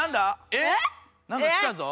⁉え⁉なんか来たぞ。